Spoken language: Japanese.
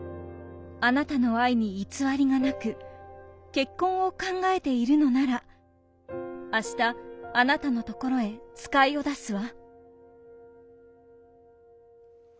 あなたの愛に偽りがなく結婚を考えているのなら明日あなたのところへ使いを出すわ」。